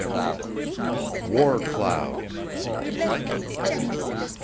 WAR CLOUDS.